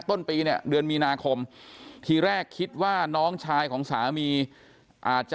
ต้นปีเนี่ยเดือนมีนาคมทีแรกคิดว่าน้องชายของสามีอาจจะ